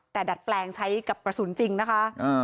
แต่ดัดแปลงใช้กับกระสุนจริงนะคะ